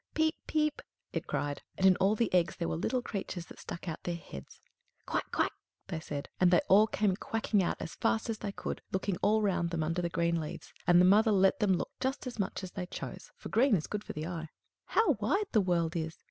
"Piep! piep!" it cried, and in all the eggs there were little creatures that stuck out their heads. "Quack! quack!" they said; and they all came quacking out as fast as they could, looking all round them under the green leaves; and the mother let them look as much as they chose, for green is good for the eye. "How wide the world is!"